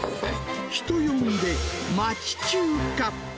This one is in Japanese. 人呼んで、町中華。